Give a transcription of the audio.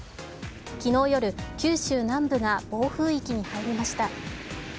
昨日夜、九州南部が暴風域に入りました。